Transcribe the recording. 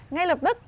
ngay lập tức